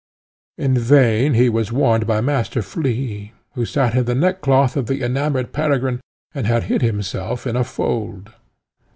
In vain he was warned by Master Flea, who sate in the neckcloth of the enamoured Peregrine, and had hid himself in a fold.